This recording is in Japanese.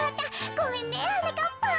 ごめんねはなかっぱん。